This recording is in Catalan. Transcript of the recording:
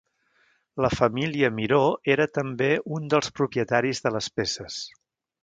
La família Miró era també un dels propietaris de Les Peces.